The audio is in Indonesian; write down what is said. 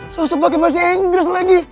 susah pake bahasa inggris lagi